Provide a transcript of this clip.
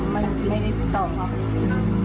ไม่ได้ติดต่อครับ